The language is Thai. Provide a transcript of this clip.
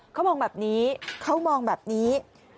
เขามองแบบนี้เขามองแบบนี้